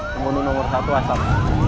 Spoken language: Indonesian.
tembunan nomor satu asap